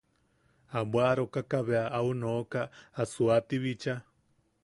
A bwaʼarokaka bea au nooka a suaati bicha.